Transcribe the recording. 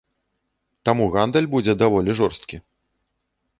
Таму гандаль будзе даволі жорсткі.